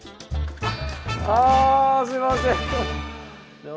あすみません。